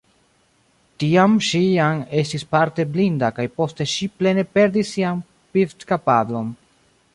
Tiam ŝi jam estis parte blinda kaj poste ŝi plene perdis sian vidkapablon.